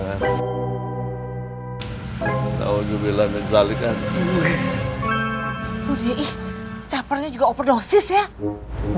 walaikumsalam astaghfirullahaladzim itu kerpasangan